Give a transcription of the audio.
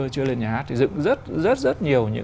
chưa lên nhà hát thì dựng rất rất nhiều